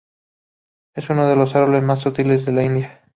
Es uno de los árboles más útiles en la India.